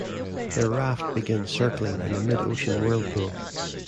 Their raft begins circling in a mid-ocean whirlpool.